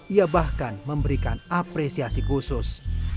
ia bahkan memberikan apresiasi khusus